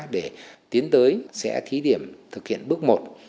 để tiến tới sẽ thí điểm thực hiện bước một